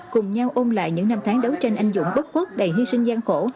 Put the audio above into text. cùng nhau ôm lại những năm tháng đấu tranh anh dụng bất quốc đầy hy sinh gian khổ